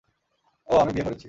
ওহ, আমি বিয়ে করেছি।